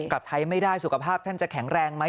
กลับไทยไม่ได้สุขภาพท่านจะแข็งแรงไหม